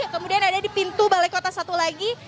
kemudian ada di pintu balai kota satu lagi